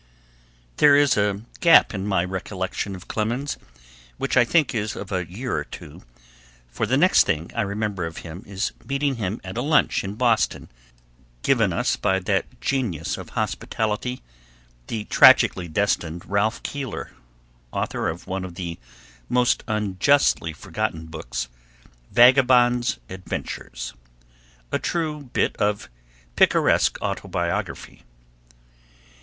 There is a gap in my recollections of Clemens, which I think is of a year or two, for the next thing I remember of him is meeting him at a lunch in Boston, given us by that genius of hospitality, the tragically destined Ralph Keeler, author of one of the most unjustly forgotten books, 'Vagabond Adventures', a true bit of picaresque autobiography.